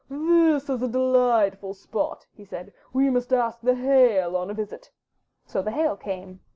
"This is a delightful spot,'' he said, "we must ask the Hail on a visit." So the Hail came.